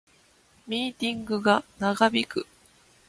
ミーティングが長引く